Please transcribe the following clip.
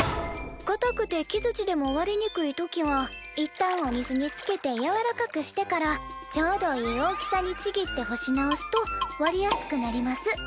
「かたくて木づちでも割れにくい時はいったんお水につけてやわらかくしてからちょうどいい大きさにちぎって干し直すと割りやすくなります」